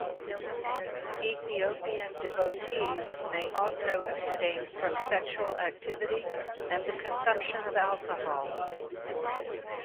Ethiopian devotees may also abstain from sexual activity and the consumption of alcohol.